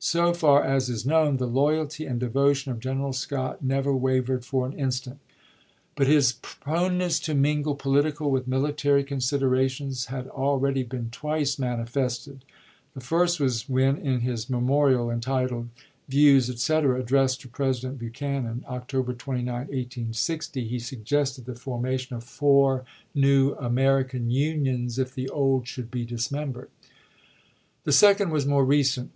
So far as is known, the loyalty and devotion of General Scott never wavered for an instant ; but his proneness to mingle political with military considerations had already been twice manifested. The first was when in his memorial entitled "Views," etc., addressed to President Buchanan, October 29, 1860, he suggested the formation of THE QUESTION OF SUMTER 393 four new American Unions if the old should be ch. xxm. dismembered. The second was more recent.